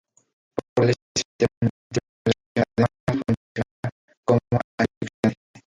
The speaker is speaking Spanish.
Fortalece el sistema inmunitario y la visión, además de funcionar como antioxidante.